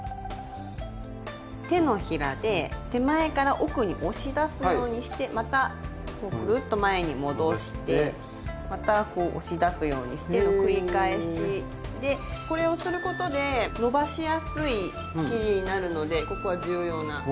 手のひらで手前から奥に押し出すようにしてまたこうぐるっと前に戻してまたこう押し出すようにしての繰り返しでこれをすることでのばしやすい生地になるのでここは重要なポイントです。